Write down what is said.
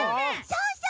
そうそう！